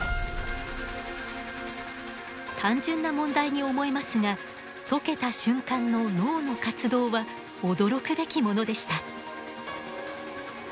単純な問題に思えますが解けた瞬間の脳の活動は驚くべきものでした。